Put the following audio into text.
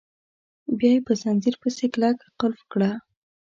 بیا یې په ځنځیر پسې کلک قلف کړه.